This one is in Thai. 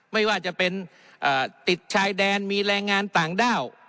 ไม่ว่าจะเป็นติดชายแดนมีแรงงานต่างด้าว